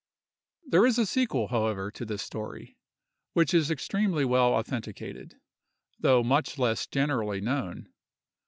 There is a sequel, however, to this story, which is extremely well authenticated, though much less generally known.